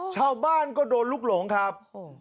ชาวบ้านก็โดนลูกหลงครับ